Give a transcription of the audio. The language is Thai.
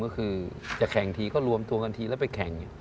ก็คือจะแข่งทีก็รวมตัวกันทีแล้วไปแข่ง